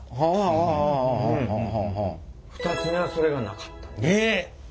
２つ目はそれがなかった。